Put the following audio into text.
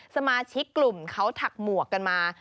สมาชิกกลุ่มเขาถักหมวกกันมา